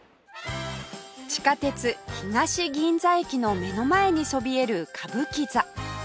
地下鉄東銀座駅の目の前にそびえる歌舞伎座